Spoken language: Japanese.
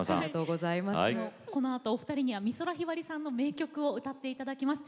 このあと２人には美空ひばりさんの名曲を歌っていただきます。